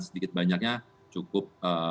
sedikit banyaknya cukup